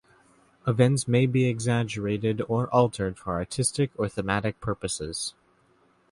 Events may be exaggerated or altered for artistic or thematic purposes.